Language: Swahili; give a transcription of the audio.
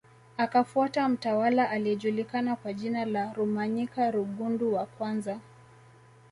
Akafuata mtawala aliyejulikana kwa jina la Rumanyika Rugundu wa kwamza